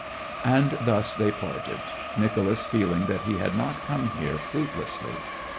And thus they parted, Nicholas feeling that he had not come here fruitlessly.